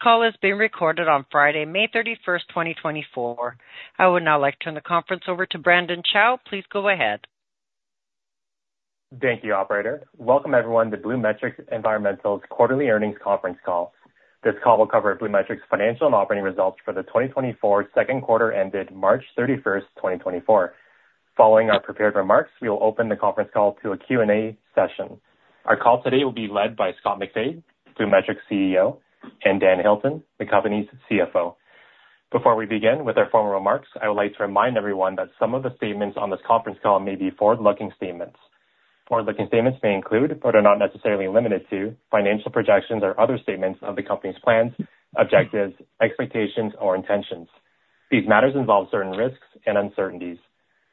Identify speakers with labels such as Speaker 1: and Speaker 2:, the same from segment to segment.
Speaker 1: This call is being recorded on Friday, May 31, 2024. I would now like to turn the conference over to Brandon Chow. Please go ahead.
Speaker 2: Thank you, operator. Welcome everyone to BluMetric Environmental's quarterly earnings conference call. This call will cover BluMetric's financial and operating results for the 2024 second quarter ended March 31st, 2024. Following our prepared remarks, we will open the conference call to a Q&A session. Our call today will be led by Scott MacFabe, BluMetric's CEO, and Dan Hilton, the company's CFO. Before we begin with our formal remarks, I would like to remind everyone that some of the statements on this conference call may be forward-looking statements. Forward-looking statements may include, but are not necessarily limited to, financial projections or other statements of the company's plans, objectives, expectations, or intentions. These matters involve certain risks and uncertainties.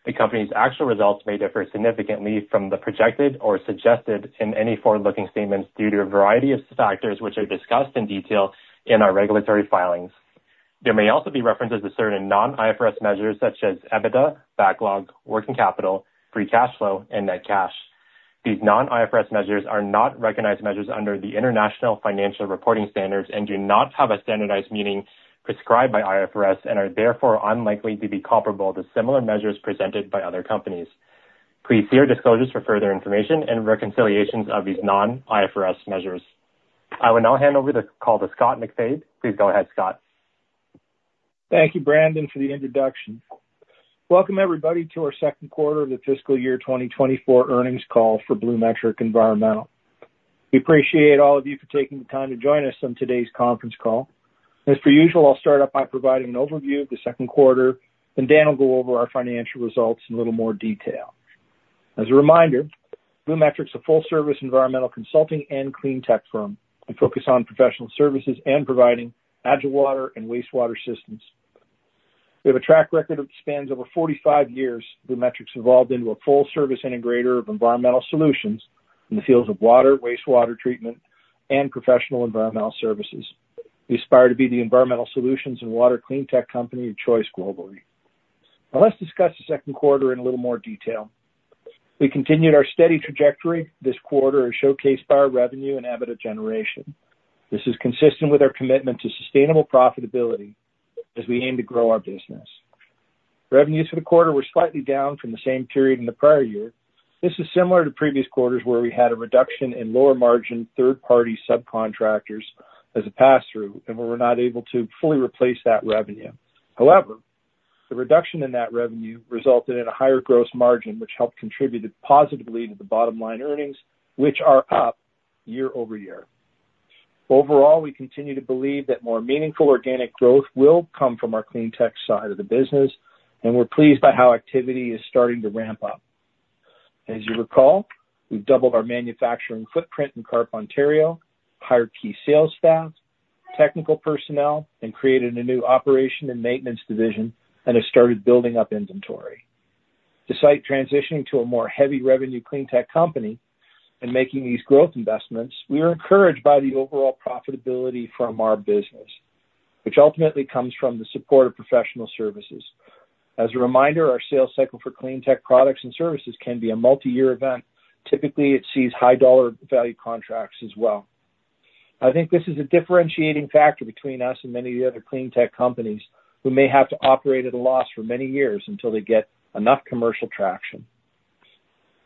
Speaker 2: The company's actual results may differ significantly from the projected or suggested in any forward-looking statements due to a variety of factors which are discussed in detail in our regulatory filings. There may also be references to certain non-IFRS measures such as EBITDA, backlog, working capital, free cash flow, and net cash. These non-IFRS measures are not recognized measures under the International Financial Reporting Standards and do not have a standardized meaning prescribed by IFRS, and are therefore unlikely to be comparable to similar measures presented by other companies. Please see our disclosures for further information and reconciliations of these non-IFRS measures. I will now hand over the call to Scott MacFabe. Please go ahead, Scott.
Speaker 3: Thank you, Brandon, for the introduction. Welcome, everybody, to our second quarter of the fiscal year 2024 earnings call for BluMetric Environmental. We appreciate all of you for taking the time to join us on today's conference call. As per usual, I'll start off by providing an overview of the second quarter, and Dan will go over our financial results in a little more detail. As a reminder, BluMetric is a full-service environmental consulting and clean tech firm. We focus on professional services and providing agile water and wastewater systems. We have a track record that spans over 45 years. BluMetric's evolved into a full-service integrator of environmental solutions in the fields of water, wastewater treatment, and professional environmental services. We aspire to be the environmental solutions and water clean tech company of choice globally. Now, let's discuss the second quarter in a little more detail. We continued our steady trajectory this quarter, as showcased by our revenue and EBITDA generation. This is consistent with our commitment to sustainable profitability as we aim to grow our business. Revenues for the quarter were slightly down from the same period in the prior year. This is similar to previous quarters, where we had a reduction in lower margin, third-party subcontractors as a pass-through, and we were not able to fully replace that revenue. However, the reduction in that revenue resulted in a higher gross margin, which helped contributed positively to the bottom line earnings, which are up year-over-year. Overall, we continue to believe that more meaningful organic growth will come from our clean tech side of the business, and we're pleased by how activity is starting to ramp up. As you recall, we've doubled our manufacturing footprint in Carp, Ontario, hired key sales staff, technical personnel, and created a new operation and maintenance division and have started building up inventory. Despite transitioning to a more heavy revenue clean tech company and making these growth investments, we are encouraged by the overall profitability from our business, which ultimately comes from the support of professional services. As a reminder, our sales cycle for clean tech products and services can be a multi-year event. Typically, it sees high dollar value contracts as well. I think this is a differentiating factor between us and many of the other clean tech companies who may have to operate at a loss for many years until they get enough commercial traction.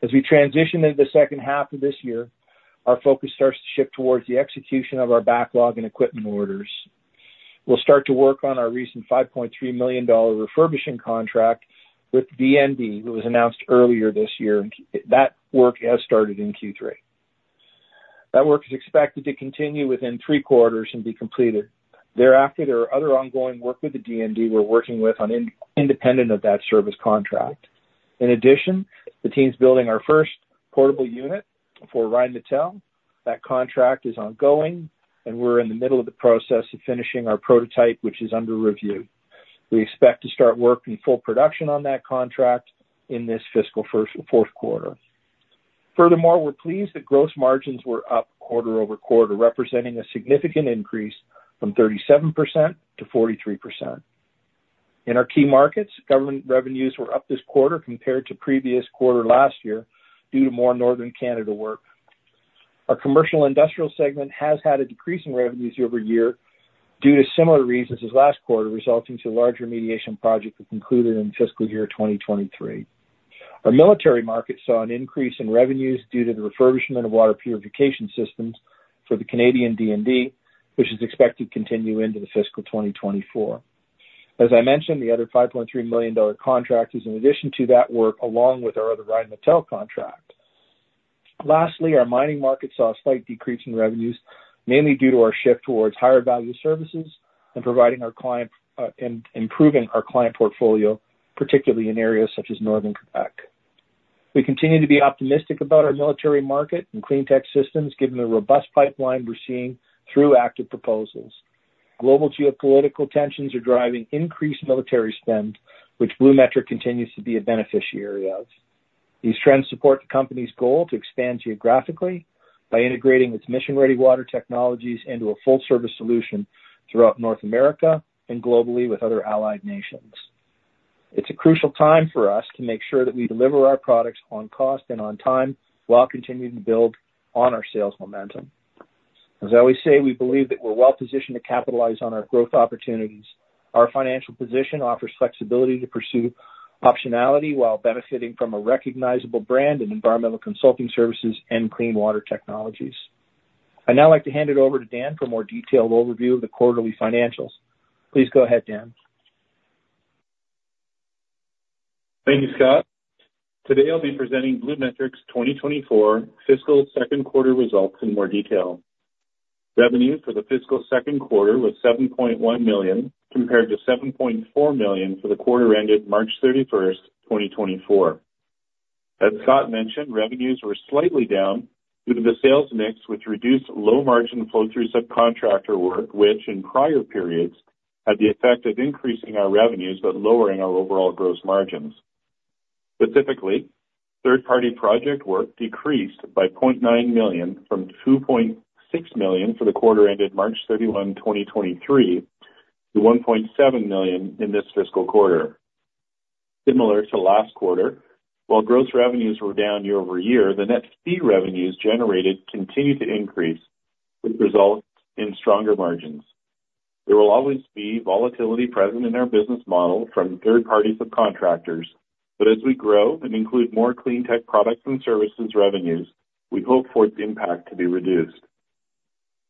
Speaker 3: As we transition into the second half of this year, our focus starts to shift towards the execution of our backlog and equipment orders. We'll start to work on our recent 5.3 million dollar refurbishing contract with DND, which was announced earlier this year, and that work has started in Q3. That work is expected to continue within three quarters and be completed. Thereafter, there are other ongoing work with the DND we're working with on independent of that service contract. In addition, the team's building our first portable unit for Rheinmetall. That contract is ongoing, and we're in the middle of the process of finishing our prototype, which is under review. We expect to start work in full production on that contract in this fiscal fourth quarter. Furthermore, we're pleased that gross margins were up quarter-over-quarter, representing a significant increase from 37%-43%. In our key markets, government revenues were up this quarter compared to previous quarter last year due to more Northern Canada work. Our commercial industrial segment has had a decrease in revenues year-over-year due to similar reasons as last quarter, resulting to larger remediation projects that concluded in fiscal year 2023. Our military market saw an increase in revenues due to the refurbishment of water purification systems for the Canadian DND, which is expected to continue into the fiscal 2024. As I mentioned, the other 5.3 million dollar contract is in addition to that work, along with our other Rheinmetall contract. Lastly, our mining market saw a slight decrease in revenues, mainly due to our shift towards higher value services and providing our client, and improving our client portfolio, particularly in areas such as Northern Quebec. We continue to be optimistic about our military market and clean tech systems, given the robust pipeline we're seeing through active proposals. Global geopolitical tensions are driving increased military spend, which BluMetric continues to be a beneficiary of. These trends support the company's goal to expand geographically by integrating its Mission-Ready Water technologies into a full service solution throughout North America and globally with other allied nations.... It's a crucial time for us to make sure that we deliver our products on cost and on time, while continuing to build on our sales momentum. As I always say, we believe that we're well positioned to capitalize on our growth opportunities. Our financial position offers flexibility to pursue optionality while benefiting from a recognizable brand in environmental consulting services and clean water technologies. I'd now like to hand it over to Dan for a more detailed overview of the quarterly financials. Please go ahead, Dan.
Speaker 4: Thank you, Scott. Today, I'll be presenting BluMetric's 2024 fiscal second quarter results in more detail. Revenue for the fiscal second quarter was 7.1 million, compared to 7.4 million for the quarter ended March 31, 2024. As Scott mentioned, revenues were slightly down due to the sales mix, which reduced low-margin flow-through subcontractor work, which in prior periods, had the effect of increasing our revenues but lowering our overall gross margins. Specifically, third-party project work decreased by 0.9 million from 2.6 million for the quarter ended March 31, 2023, to 1.7 million in this fiscal quarter. Similar to last quarter, while gross revenues were down year-over-year, the net fee revenues generated continued to increase, which results in stronger margins. There will always be volatility present in our business model from third-party subcontractors, but as we grow and include more clean tech products and services revenues, we hope for the impact to be reduced.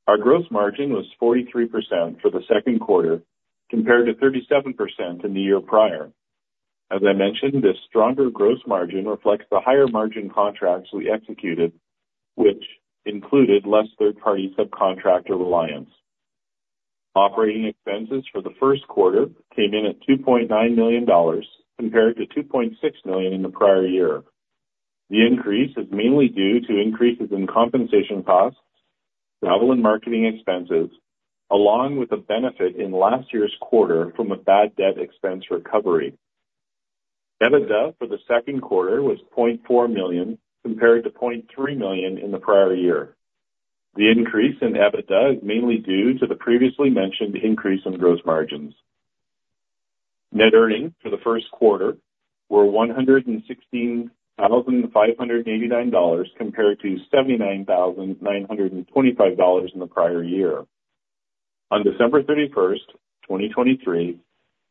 Speaker 4: Our gross margin was 43% for the second quarter, compared to 37% in the year prior. As I mentioned, this stronger gross margin reflects the higher margin contracts we executed, which included less third-party subcontractor reliance. Operating expenses for the first quarter came in at 2.9 million dollars, compared to 2.6 million in the prior year. The increase is mainly due to increases in compensation costs, travel and marketing expenses, along with a benefit in last year's quarter from a bad debt expense recovery. EBITDA for the second quarter was 0.4 million, compared to 0.3 million in the prior year. The increase in EBITDA is mainly due to the previously mentioned increase in gross margins. Net earnings for the first quarter were 116,589 dollars, compared to 79,925 dollars in the prior year. On December 31, 2023,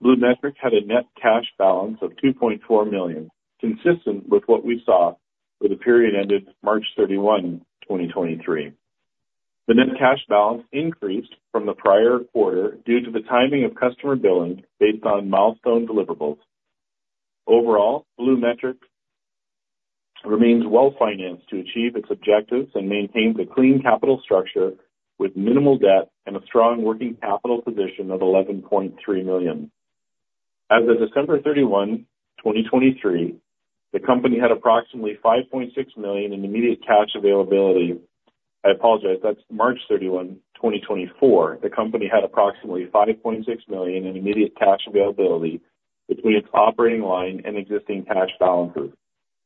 Speaker 4: BluMetric had a net cash balance of 2.4 million, consistent with what we saw for the period ended March 31, 2023. The net cash balance increased from the prior quarter due to the timing of customer billing based on milestone deliverables. Overall, BluMetric remains well-financed to achieve its objectives and maintains a clean capital structure with minimal debt and a strong working capital position of 11.3 million. As of December 31, 2023, the company had approximately 5.6 million in immediate cash availability. I apologize, that's March 31, 2024. The company had approximately 5.6 million in immediate cash availability between its operating line and existing cash balances.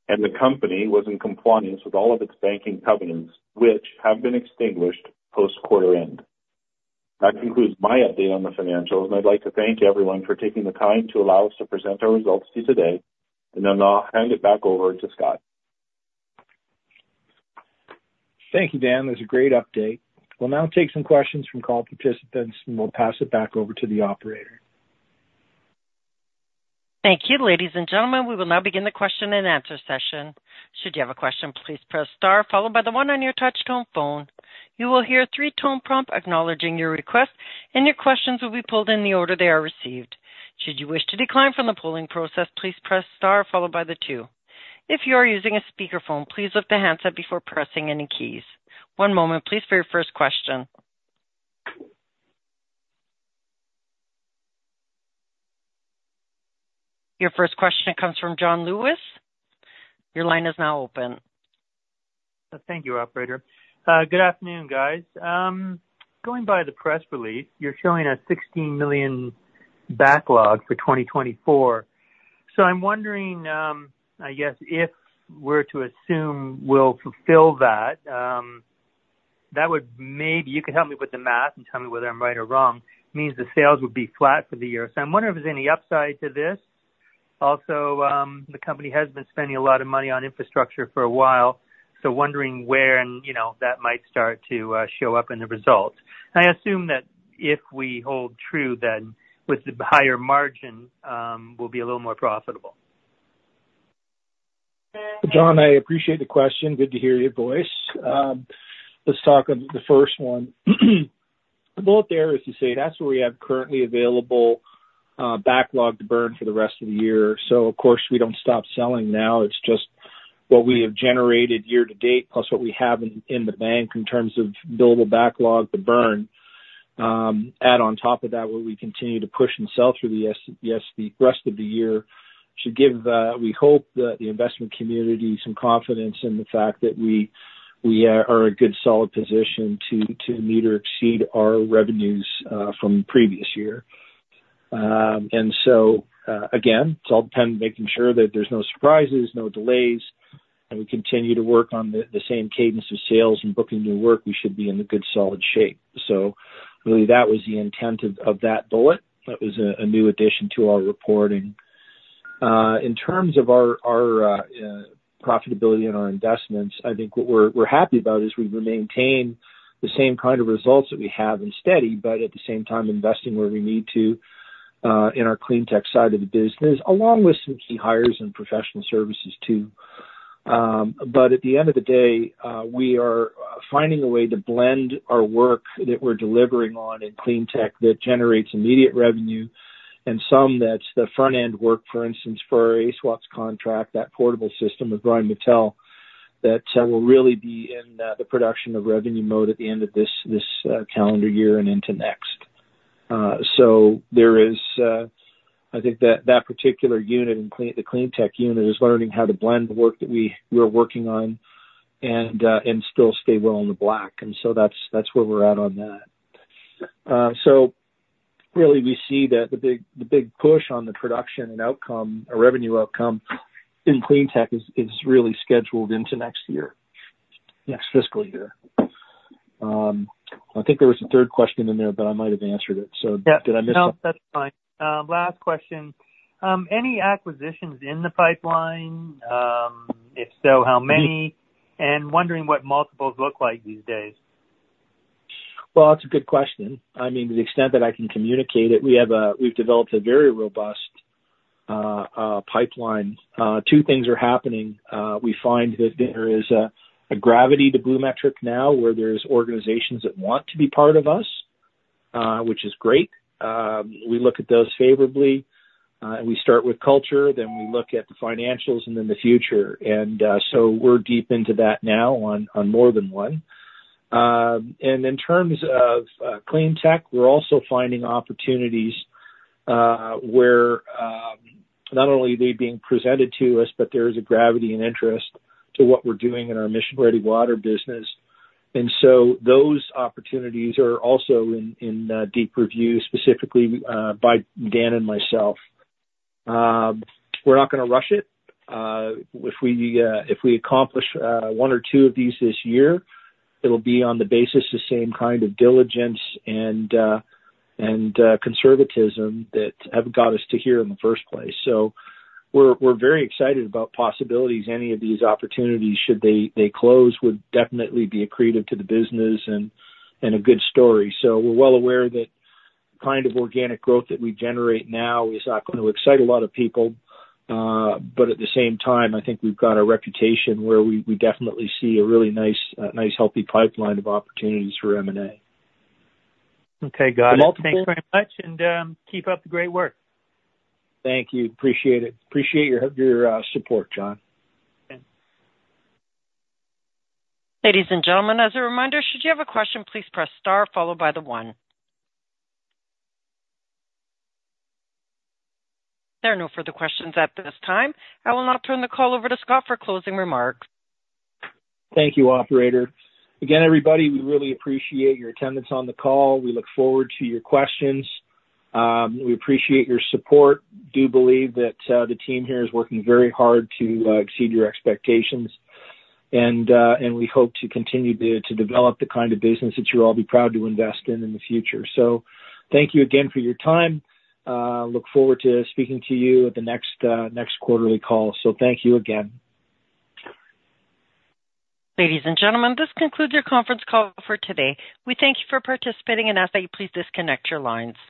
Speaker 4: The company was in compliance with all of its banking covenants, which have been extinguished post-quarter end. That concludes my update on the financials, and I'd like to thank everyone for taking the time to allow us to present our results to you today. Then I'll hand it back over to Scott.
Speaker 3: Thank you, Dan. That's a great update. We'll now take some questions from call participants, and we'll pass it back over to the operator.
Speaker 1: Thank you, ladies and gentlemen. We will now begin the question-and-answer session. Should you have a question, please press star followed by the one on your touchtone phone. You will hear three-tone prompt, acknowledging your request, and your questions will be pulled in the order they are received. Should you wish to decline from the polling process, please press star followed by the two. If you are using a speakerphone, please lift the handset before pressing any keys. One moment, please, for your first question. Your first question comes from John Lewis. Your line is now open.
Speaker 5: Thank you, operator. Good afternoon, guys. Going by the press release, you're showing a 16 million backlog for 2024. So I'm wondering, I guess, if we're to assume we'll fulfill that, that would maybe... You could help me with the math and tell me whether I'm right or wrong, means the sales would be flat for the year. So I'm wondering if there's any upside to this. Also, the company has been spending a lot of money on infrastructure for a while, so wondering where and, you know, that might start to show up in the results. I assume that if we hold true, then with the higher margin, we'll be a little more profitable.
Speaker 3: John, I appreciate the question. Good to hear your voice. Let's talk on the first one. The bullet there, as you say, that's where we have currently available backlog to burn for the rest of the year. So of course, we don't stop selling now. It's just what we have generated year to date, plus what we have in the bank in terms of billable backlog to burn. Add on top of that, where we continue to push and sell through the rest of the year, should give, we hope, the investment community some confidence in the fact that we are in a good, solid position to meet or exceed our revenues from the previous year. And so, again, it's all about making sure that there's no surprises, no delays... We continue to work on the same cadence of sales and booking new work; we should be in a good, solid shape. So really, that was the intent of that bullet. That was a new addition to our reporting. In terms of our profitability and our investments, I think what we're happy about is we've maintained the same kind of results that we have and steady, but at the same time, investing where we need to in our clean tech side of the business, along with some key hires in professional services too. But at the end of the day, we are finding a way to blend our work that we're delivering on in clean tech, that generates immediate revenue, and some that's the front-end work, for instance, for our SUWPS contract, that portable system with Rheinmetall, that will really be in the production of revenue mode at the end of this calendar year and into next. So there is, I think that particular unit in the clean tech unit, is learning how to blend the work that we're working on and still stay well in the black. So that's where we're at on that. So really, we see that the big push on the production and outcome or revenue outcome in clean tech is really scheduled into next year, next fiscal year. I think there was a third question in there, but I might have answered it, so-
Speaker 5: Yeah.
Speaker 3: Did I miss it?
Speaker 5: No, that's fine. Last question. Any acquisitions in the pipeline? If so, how many? Wondering what multiples look like these days.
Speaker 3: Well, that's a good question. I mean, to the extent that I can communicate it, we've developed a very robust pipeline. Two things are happening. We find that there is a gravity to BluMetric now, where there's organizations that want to be part of us, which is great. We look at those favorably, and we start with culture, then we look at the financials and then the future. And so we're deep into that now on more than one. And in terms of clean tech, we're also finding opportunities where not only are they being presented to us, but there is a gravity and interest to what we're doing in our Mission Ready Water business. And so those opportunities are also in deep review, specifically, by Dan and myself. We're not gonna rush it. If we accomplish one or two of these this year, it'll be on the basis of same kind of diligence and conservatism that have got us to here in the first place. So we're very excited about possibilities. Any of these opportunities, should they close, would definitely be accretive to the business and a good story. So we're well aware that kind of organic growth that we generate now is not going to excite a lot of people. But at the same time, I think we've got a reputation where we definitely see a really nice, healthy pipeline of opportunities for M&A.
Speaker 5: Okay, got it.
Speaker 3: Multiple-
Speaker 5: Thanks very much, and keep up the great work.
Speaker 3: Thank you. Appreciate it. Appreciate your, your support, John.
Speaker 5: Okay.
Speaker 1: Ladies and gentlemen, as a reminder, should you have a question, please press star followed by the one. There are no further questions at this time. I will now turn the call over to Scott for closing remarks.
Speaker 3: Thank you, operator. Again, everybody, we really appreciate your attendance on the call. We look forward to your questions. We appreciate your support. Do believe that the team here is working very hard to exceed your expectations, and we hope to continue to develop the kind of business that you'll all be proud to invest in, in the future. So thank you again for your time. Look forward to speaking to you at the next quarterly call. So thank you again.
Speaker 1: Ladies and gentlemen, this concludes your conference call for today. We thank you for participating and ask that you please disconnect your lines.